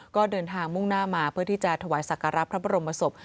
ก็เดินทางมุ่งหน้ามาเพื่อที่จะถวายสักการะพระบรมศพ